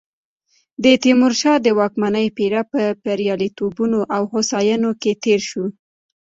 د تیمورشاه د واکمنۍ پیر په بریالیتوبونو او هوساینو کې تېر شو.